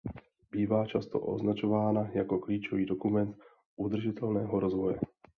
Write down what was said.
Bývá často označována jako klíčový dokument udržitelného rozvoje.